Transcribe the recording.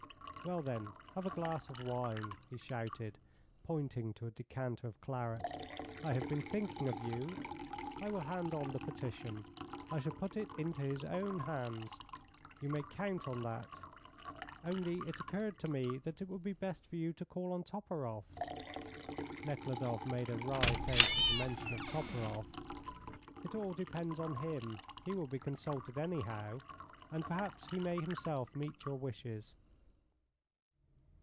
Well, then, have a glass of wine," he shouted, pointing to a decanter of claret. "I have been thinking of you. I will hand on the petition. I shall put it into his own hands. You may count on that, only it occurred to me that it would be best for you to call on Toporoff." Nekhludoff made a wry face at the mention of Toporoff. "It all depends on him. He will be consulted, anyhow. And perhaps he may himself meet your wishes."